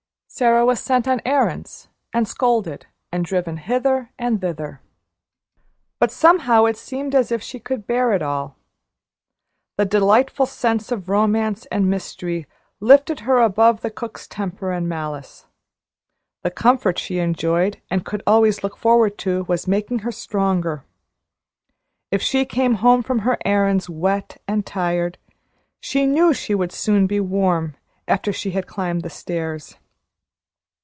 Sara was sent on errands, and scolded, and driven hither and thither, but somehow it seemed as if she could bear it all. The delightful sense of romance and mystery lifted her above the cook's temper and malice. The comfort she enjoyed and could always look forward to was making her stronger. If she came home from her errands wet and tired, she knew she would soon be warm, after she had climbed the stairs.